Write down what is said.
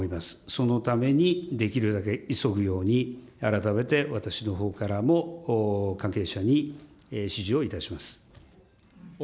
そのためにできるだけ急ぐように、改めて私のほうからも関係者に指示をいたします。